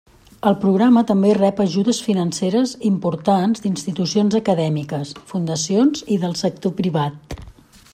El programa també rep ajudes financeres importants d'institucions acadèmiques, fundacions i del sector privat.